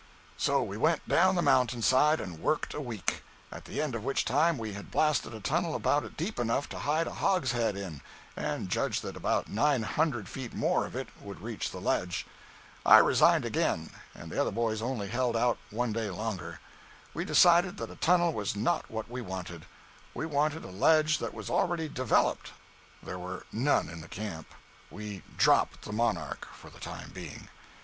212.jpg (89K) So we went down the mountain side and worked a week; at the end of which time we had blasted a tunnel about deep enough to hide a hogshead in, and judged that about nine hundred feet more of it would reach the ledge. I resigned again, and the other boys only held out one day longer. We decided that a tunnel was not what we wanted. We wanted a ledge that was already "developed." There were none in the camp. We dropped the "Monarch" for the time being.